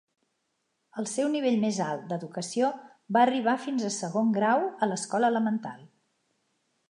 El seu nivell més alt d'educació va arribar fins a segon grau a l'escola elemental.